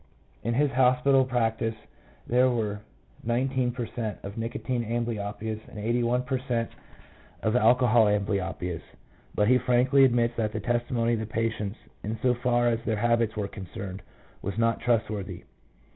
In his hospital practice there were 19 per cent, of nicotine amblyopias and 81 per cent of alcohol ambly opias, but he frankly admits that the testimony of the patients, in so far as their habits were concerned, was not trustworthy.